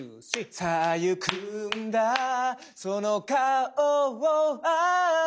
「さあ行くんだその顔をあげて」